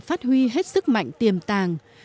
phát huy hết sức mạnh tiềm tàng